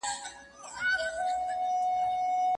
هغه څوک چي بخښنه کوي تر نورو ډېر لوړ مقام لري.